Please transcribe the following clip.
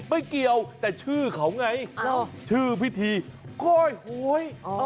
ไม่เกี่ยวแต่ชื่อเขาไงชื่อพิธีก้อยหวย